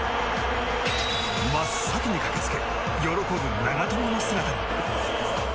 真っ先に駆け付け喜ぶ長友の姿が。